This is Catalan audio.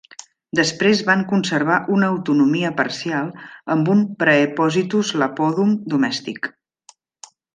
Després van conservar una autonomia parcial amb un "praepositus Iapodum" domèstic.